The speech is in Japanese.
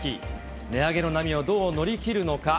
値上げの波をどう乗り切るのか。